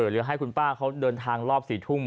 หรือให้คุณป้าเขาเดินทางรอบ๔ทุ่ม